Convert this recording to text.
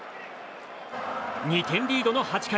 ２点リードの８回。